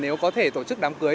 nếu có thể tổ chức đám cưới